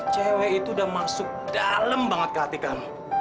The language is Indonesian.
cewek itu udah masuk dalam banget ke hatimu